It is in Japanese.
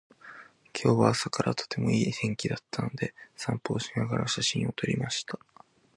今日は朝からとてもいい天気だったので、散歩をしながら写真を撮りました。